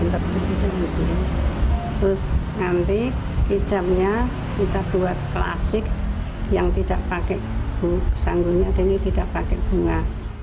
terus nanti ijamnya kita buat klasik yang tidak pakai sanggulnya ini tidak pakai bunga